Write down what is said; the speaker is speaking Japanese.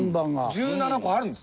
１７個あるんです。